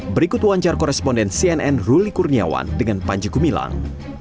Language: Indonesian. berikut wancar koresponden cnn ruli kurniawan dengan panji gumilang